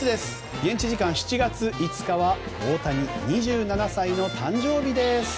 現地時間の７月５日は大谷、２７歳の誕生日です。